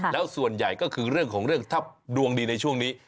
แล้วส่วนใหญ่ก็คือเรื่องของเรื่องถ้าดวงดีในช่วงนี้